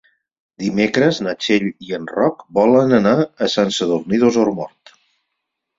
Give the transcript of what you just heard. Dimecres na Txell i en Roc volen anar a Sant Sadurní d'Osormort.